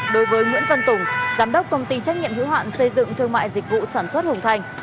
đối với nguyễn văn tùng giám đốc công ty trách nhiệm hữu hạn xây dựng thương mại dịch vụ sản xuất hùng thành